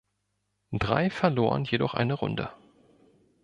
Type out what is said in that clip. Drei verloren jedoch eine Runde.